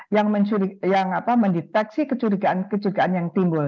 yang mendeteksi kecurigaan kecurigaan yang timbul